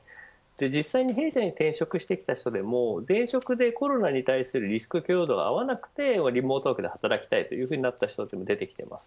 実際に弊社に転職してきた人でも前職でコロナに対するリスク許容度が合わなくてリモートワークで働きたいという人も出てきています。